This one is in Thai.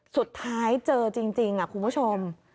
สุดท้ายเจอจริงคุณผู้ชม